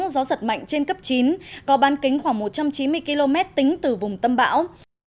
gió giật mạnh trên cấp chín có bán kính khoảng một trăm chín mươi km tính từ vùng tâm bão